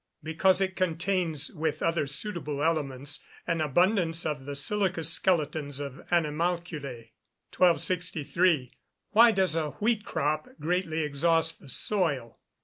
_ Because it contains, with other suitable elements, an abundance of the silicous skeletons of animalculæ. 1263. _Why does a wheat crop greatly exhaust the soil?